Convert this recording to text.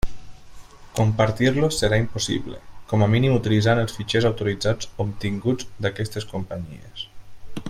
Compartir-los serà impossible, com a mínim utilitzant els fitxers autoritzats obtinguts d'aquestes companyies.